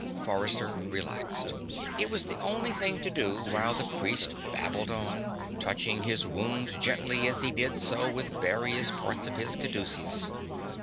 Forrester relaxed. It was the only thing to do while the priest babbled on, touching his wounds gently as he did so with various parts of his caduceus.